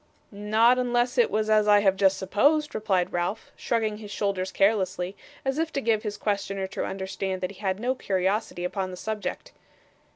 'Not unless it was as I have just supposed,' replied Ralph, shrugging his shoulders carelessly, as if to give his questioner to understand that he had no curiosity upon the subject.